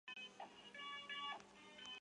谢讷杜伊人口变化图示